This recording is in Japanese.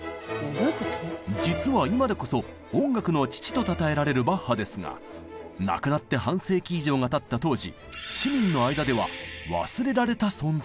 実は今でこそ「音楽の父」とたたえられるバッハですが亡くなって半世紀以上がたった当時市民の間ではえぇ！